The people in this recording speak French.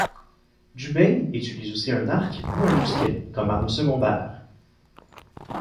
Jubei utilise aussi un arc ou un mousquet comme arme secondaire.